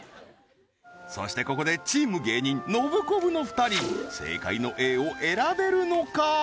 そしてここでチーム芸人ノブコブの２人正解のＡを選べるのか？